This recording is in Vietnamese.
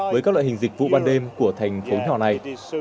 với các loại hình dịch vụ ban đêm của thành phố nhỏ này